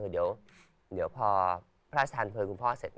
เดี๋ยวพ่อพระอาจารย์เผยคุณพ่อเสร็จ